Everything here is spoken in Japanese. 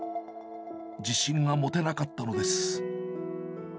自信が持てなかったのです。